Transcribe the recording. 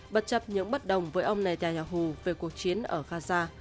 bất chấp những bất đồng với ông netanyahu về cuộc chiến ở gaza